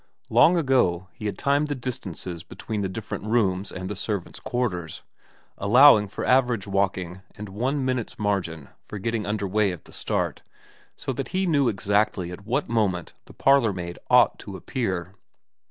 Long ago he had timed the distances between the different rooms and the servants' quarters, allowing for average walking and one minute's margin for getting under way at the start, so that he knew exactly at what moment the parlourmaid ought to appear.